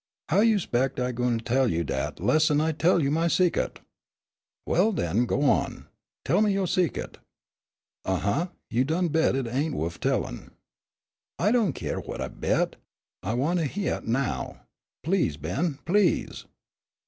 "How you 'spec' I gwine tell you dat less'n I tell you my sec'ut?" "Well, den, go on tell me yo' sec'ut." "Huh uh. You done bet it ain' wuff tellin'." "I don't keer what I bet. I wan' to hyeah it now. Please, Ben, please!"